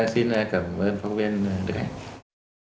xin cảm ơn phóng viên đức anh